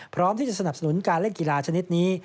พร้อมที่จะสนับสนุนการเล่นกีฬาชนิดนี้